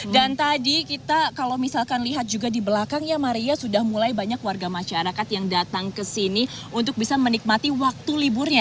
tadi kita kalau misalkan lihat juga di belakang ya maria sudah mulai banyak warga masyarakat yang datang ke sini untuk bisa menikmati waktu liburnya